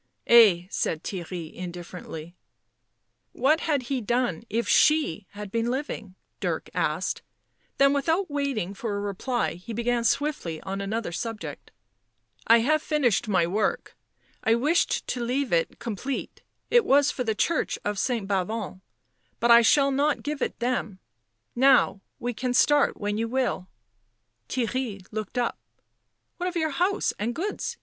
" Ay," said Theirry indifferently. "What had he done if she had been living?" Dirk asked, then without waiting for a reply he began swiftly on another subject. " I have finished my work. I wished to leave it com plete — it was for the church of St. Bavon, but I shall not give it them. Now, we can start when you will." Theirry looked up. " What of your house and goods?"